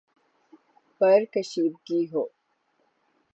پر کشیدگی ہو،